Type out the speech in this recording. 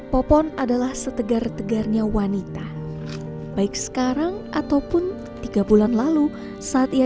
popon adalah setegar tegarnya wanita baik sekarang ataupun tiga bulan lalu saat ia